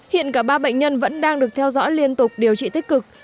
hiện cả ba bệnh nhân vẫn đang được theo dõi liên tục điều trị tích cực